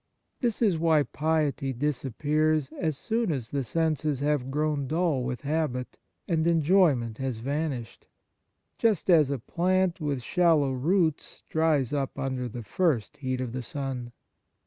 This is why piety dis 90 The Nature of Piety appears as soon as the senses have grown dull with habit and enjoyment has vanished, just as a plant with shallow roots dries up under the first heat of the sun.